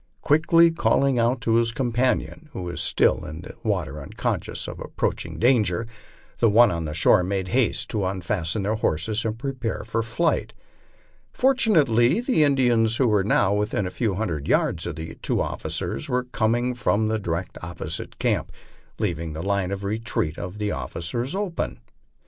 Quickly calling out to his companion, who was still in the water unconscious of approaching danger, the one on shore made haste to un fasten their horses and prepare for flight. Fortunately the Indians, who were now within a few hundred yards of the two officers, were coming from the di rection opposite camp, leaving the line of retreat of the officers open.